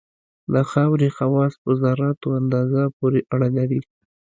د خاورې خواص په ذراتو اندازه پورې اړه لري